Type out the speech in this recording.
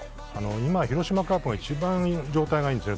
今、広島カープが一番状態がいいんですね。